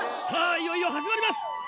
いよいよ始まります！